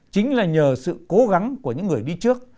chính là nhờ sự cố gắng của những người đi trước